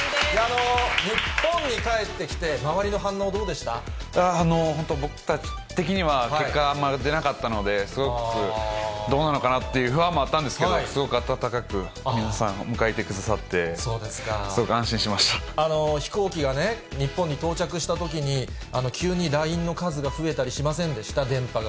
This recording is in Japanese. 日本に帰ってきて、周りの反応、本当、僕たち的には結果あんま出なかったので、すごくどうなのかなという不安もあったんですけど、すごく温かく、皆さん迎えてくだ飛行機がね、日本に到着したときに、急にＬＩＮＥの数が増えたりしませんでした？